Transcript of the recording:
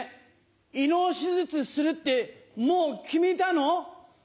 胃の手術するってもう決めたの？